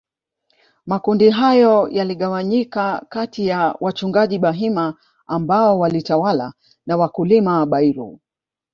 Makundi hayo yaligawanyika katiya wachungaji Bahima ambao walitawala na wakulima Bairu